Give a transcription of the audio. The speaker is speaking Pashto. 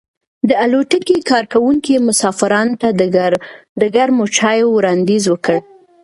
د الوتکې کارکونکو مسافرانو ته د ګرمو چایو وړاندیز وکړ.